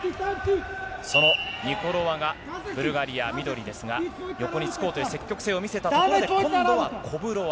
そのニコロワがブルガリア、緑ですが、そこにつこうという積極性を見せたところで、今度はコブロワ。